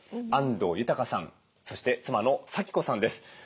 安藤裕さんそして妻のさき子さんです。